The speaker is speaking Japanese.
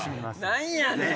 何やねん！